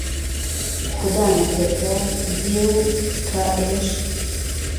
خودا نەکەردە دییەو بکا ئێش